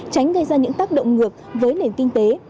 tránh gây ra những tác động ngược với nền kinh tế